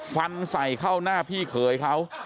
ฟันใส่เข้าหน้าพี่เขยเขา